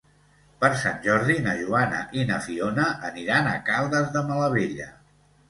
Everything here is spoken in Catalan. Per Sant Jordi na Joana i na Fiona aniran a Caldes de Malavella.